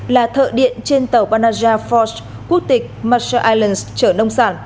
là thợ điện trên tàu panajia force quốc tịch marshall islands trở nông sản